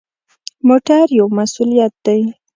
موټر یو مسؤلیت دی.